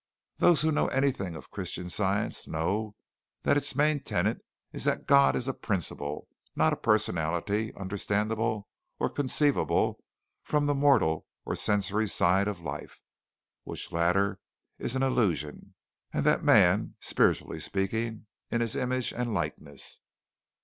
Those who know anything of Christian Science know that its main tenet is that God is a principle, not a personality understandable or conceivable from the mortal or sensory side of life (which latter is an illusion), and that man (spiritually speaking) in His image and likeness.